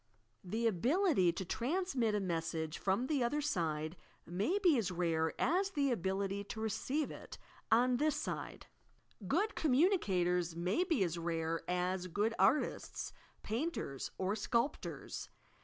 The ability to transmit a message from the other aide may be as rare as the ability to receive it on this side. 1 MORE AND LESS BEVELOPED SPIRITS 193 Good commmiicators may be as rare as good artists, painters or sculptors.